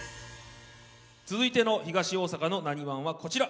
続いての東大阪の「なにわん」はこちら。